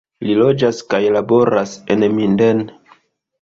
Li loĝas kaj laboras en Minden.